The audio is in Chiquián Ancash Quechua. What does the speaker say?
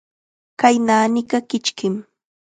Kay naaniqa kichkim.